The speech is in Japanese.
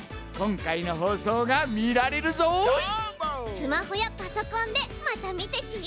スマホやパソコンでまたみてち！